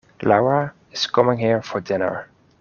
Lara is coming here for dinner.